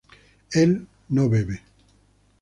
él no bebe